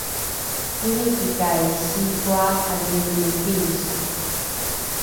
omikikai sikoa ’adhingini pingsiang?